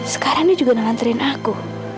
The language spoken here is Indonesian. sekarang dia juga nganterin aku